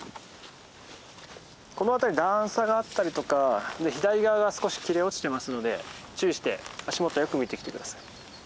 この辺り段差があったりとか左側が少し切れ落ちてますので注意して足元をよく見て来て下さい。